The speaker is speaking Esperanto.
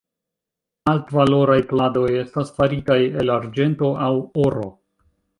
Altvaloraj pladoj estas faritaj el arĝento aŭ oro.